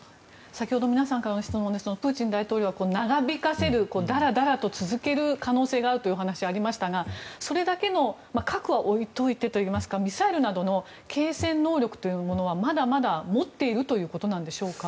先ほど皆さんからの質問でプーチン大統領が長引かせる可能性があるというお話がありましたが核は置いておいてミサイルなどの継戦能力というのはまだまだ持っているということなんでしょうか。